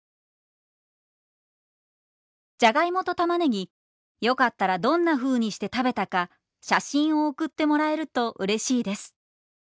「じゃがいもとたまねぎよかったらどんなふうにして食べたか写真を送ってもらえると嬉しいです！」。